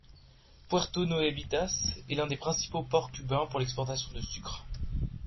Puerto Nuevitas est l'un des principaux ports cubains pour l'exportation de sucre.